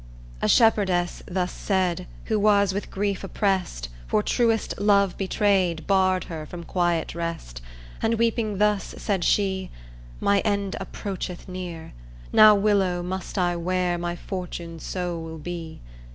A shepherdess thus said Who was with grief oppressed For truest love betrayed Barred her from quiet rest. And weeping, thus said she: 'My end approacheth near Now willow must I wear My fortune so will be.